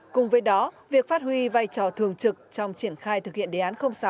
cùng với đó việc phát huy vai trò thường trực trong triển khai thực hiện đề án sáu